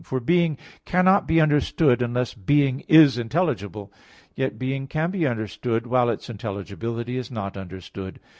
For being cannot be understood, unless being is intelligible. Yet being can be understood while its intelligibility is not understood.